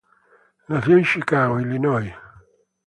Nació en Chicago, Illinois.